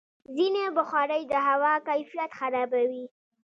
ځینې بخارۍ د هوا کیفیت خرابوي.